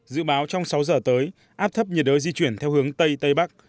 dự báo trong sáu giờ tới áp thấp nhiệt đới di chuyển theo hướng tây tây bắc